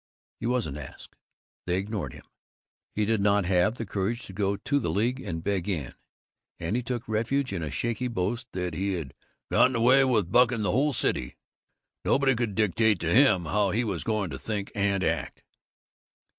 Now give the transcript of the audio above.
He wasn't asked. They ignored him. He did not have the courage to go to the League and beg in, and he took refuge in a shaky boast that he had "gotten away with bucking the whole city. Nobody could dictate to him how he was going to think and act!"